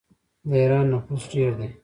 د ایران نفوس ډیر دی.